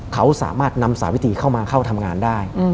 เขาสามารถนำสาวิติเข้ามาเข้าทำงานได้